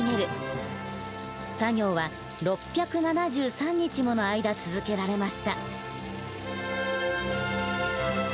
作業は６７３日もの間続けられました。